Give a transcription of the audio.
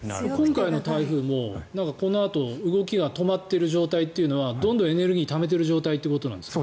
今回の台風もこのあと動きが止まっている状態というのはどんどんエネルギーをためている状態ということですか？